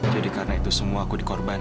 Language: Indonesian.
jadi karena itu semua aku dikorbanin